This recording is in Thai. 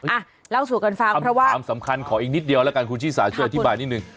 อ่ะเล่าสู่กันฟังเพราะว่าความสำคัญขออีกนิดเดียวแล้วกันคุณชิสาช่วยอธิบายนิดนึง